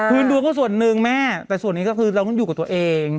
คือดูก็ส่วนหนึ่งแม่แต่ส่วนนี้ก็คือเราต้องอยู่กับตัวเอง